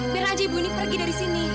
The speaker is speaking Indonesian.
biar aja ibu ini pergi dari sini